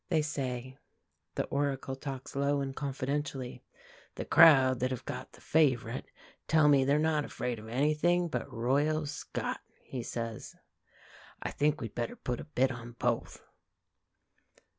they say. The Oracle talks low and confidentially. "The crowd that have got the favourite tell me they're not afraid of anything but Royal Scot," he says. "I think we'd better put a bit on both."